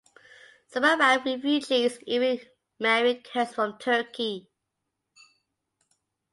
Some Arab refugees even marry Kurds from Turkey.